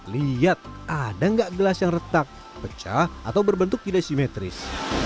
lihat ada nggak gelas yang retak pecah atau berbentuk tidak simetris